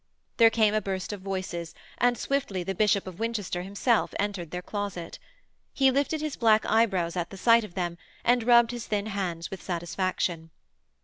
There came a burst of voices, and swiftly the Bishop of Winchester himself entered their closet. He lifted his black eyebrows at sight of them, and rubbed his thin hands with satisfaction.